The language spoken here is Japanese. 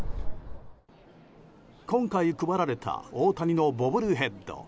今回配られた大谷のボブルヘッド。